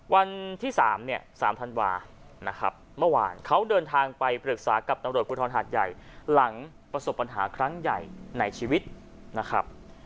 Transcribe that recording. วันที่๓เนี่ย๓ธันวานะครับเมื่อวานเขาเดินทางไปปรึกษากับตำรวจภูทรหาดใหญ่หลังประสบปัญหาครั้งใหญ่ในชีวิตนะครับ